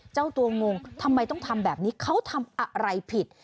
เจ้าตัวงงทำไมต้องทำแบบนี้เขาทำอะไรผิด